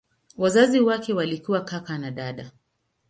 Wazazi wake walikuwa kaka na dada.